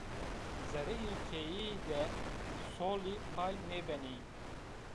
Zereyê keyeyî de solî pay nêbenî